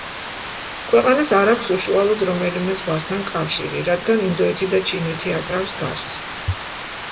ქვეყანას არ აქვს უშუალოდ რომელიმე ზღვასთან კავშირი, რადგან ინდოეთი და ჩინეთი აკრავს გარს.